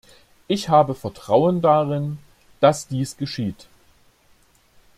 Ich habe Vertrauen darin, dass dies geschieht.